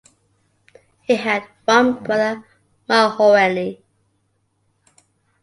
He had one brother, Marc Hoerni.